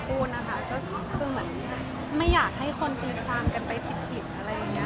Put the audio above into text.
คือคุณนะคะก็คือไม่อยากให้คนอีกฝั่งไปผิดอะไรอย่างนี้